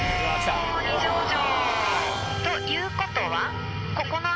・お二条城。ということは。